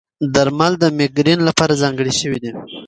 درمل د مېګرین لپاره ځانګړي شوي دي.